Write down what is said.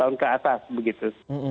tahun ke atas begitu